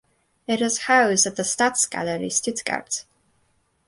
It is housed at the Staatsgalerie Stuttgart.